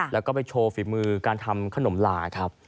แล้วก็ไปโชว์ฝีมือการทำขนมหลาครับ